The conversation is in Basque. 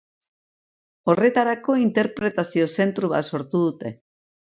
Horretarako interpretazio zentru bat sortu dute.